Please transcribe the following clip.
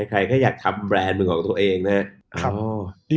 ใครก็อยากทำแบรนด์หนึ่งของตัวเองนะครับ